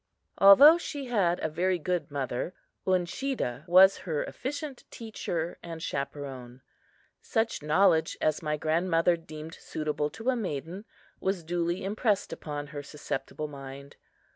Although she had a very good mother, Uncheedah was her efficient teacher and chaperon Such knowledge as my grandmother deemed suitable to a maiden was duly impressed upon her susceptible mind.